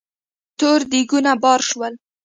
تور دېګونه بار شول.